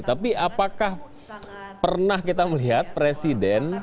tapi apakah pernah kita melihat presiden